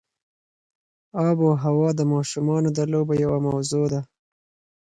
آب وهوا د افغان ماشومانو د لوبو یوه موضوع ده.